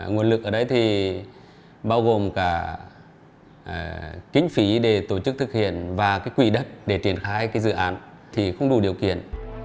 nguồn lực ở đây thì bao gồm cả kinh phí để tổ chức thực hiện và cái quỹ đất để triển khai cái dự án thì không đủ điều kiện